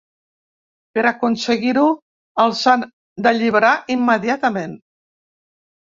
Per aconseguir-ho els han d’alliberar immediatament.